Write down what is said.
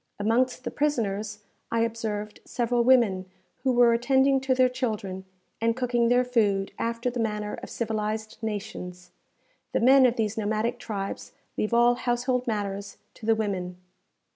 Amongst the prisoners I observed several women, who were attending to their children, and cooking their food, after the manner of civilized nations. The men of these nomadic tribes leave all household matters to the women.